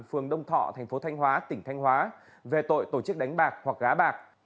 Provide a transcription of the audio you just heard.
phường đông thọ thành phố thanh hóa tỉnh thanh hóa về tội tổ chức đánh bạc hoặc gá bạc